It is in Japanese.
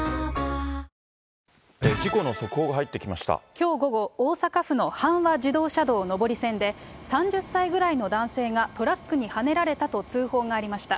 きょう午後、大阪府の阪和自動車道上り線で、３０歳ぐらいの男性がトラックにはねられたと通報がありました。